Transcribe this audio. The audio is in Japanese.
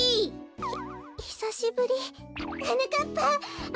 ひひさしぶり！はなかっぱあ